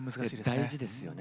大事ですよね